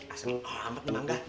asam amat bang gah